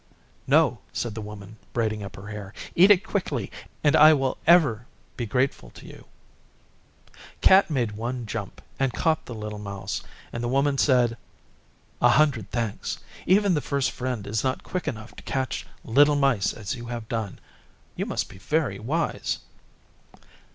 'No,' said the Woman, braiding up her hair, 'eat it quickly and I will ever be grateful to you.' Cat made one jump and caught the little mouse, and the Woman said, 'A hundred thanks. Even the First Friend is not quick enough to catch little mice as you have done. You must be very wise.